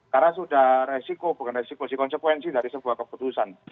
karena sudah resiko bukan resiko sih konsekuensi dari sebuah keputusan